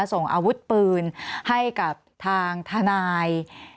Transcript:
ส่งอาวุธปืนให้กับทางทนาย